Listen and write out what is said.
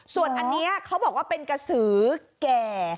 ส่วนอันนี้เขาบอกว่าเป็นกระสือแก่